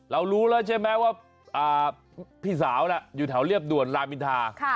เรารู้แล้วใช่ไหมว่าพี่สาวอยู่แถวเรียบด่วนลามินทา